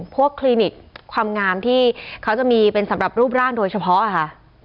คลินิกความงามที่เขาจะมีเป็นสำหรับรูปร่างโดยเฉพาะค่ะ